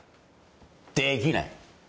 できない！